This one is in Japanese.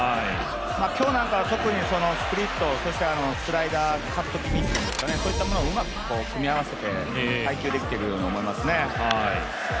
今日なんかは特に、スプリット、スライダー、カット気味にそういったものをうまく組み合わせて配球できているように思いますよね。